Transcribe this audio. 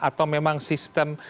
atau memang sistem